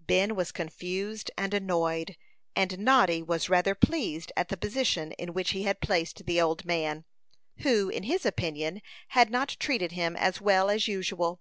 Ben was confused and annoyed, and Noddy was rather pleased at the position in which he had placed the old man, who, in his opinion, had not treated him as well as usual.